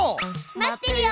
待ってるよ！